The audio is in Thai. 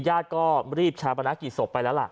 ญาติก็รีบชาปนกิจศพไปแล้วล่ะ